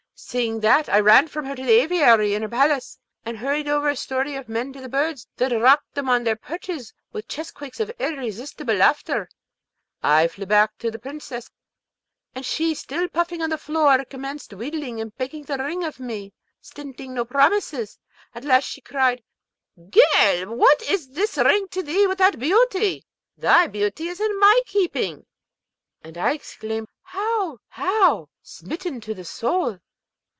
Seeing that, I ran from her to the aviary in her palace, and hurried over a story of men to the birds, that rocked them on their perches with chestquakes of irresistible laughter. Then flew I back to the Princess, and she still puffing on the floor, commenced wheedling and begging the ring of me, stinting no promises. At last she cried, 'Girl! what is this ring to thee without beauty? Thy beauty is in my keeping.' And I exclaimed, 'How? how?' smitten to the soul.